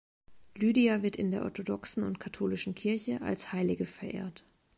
Lydia wird in der orthodoxen und katholischen Kirche als Heilige verehrt.